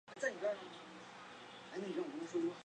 台湾由青文出版社代理出版漫画单行本。